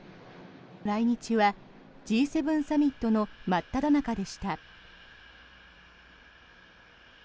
来日はＧ７サミットの真っただ中でした。